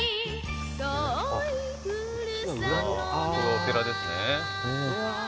お寺ですね。